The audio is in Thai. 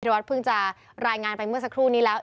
วัดเพิ่งจะรายงานไปเมื่อสักครู่นี้แล้ว